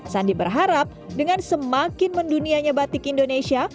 sandi berharap dengan semakin mendunianya batik indonesia